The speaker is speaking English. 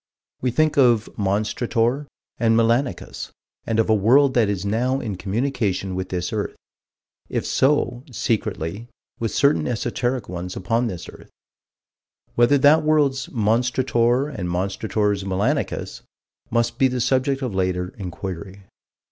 We think of Monstrator and Melanicus and of a world that is now in communication with this earth: if so, secretly, with certain esoteric ones upon this earth. Whether that world's Monstrator and Monstrator's Melanicus must be the subject of later inquiry.